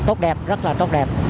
tốt đẹp rất là tốt đẹp